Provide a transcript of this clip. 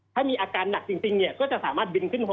ถ้ามีอาการหนักจริงก็จะสามารถบินขึ้นฮอ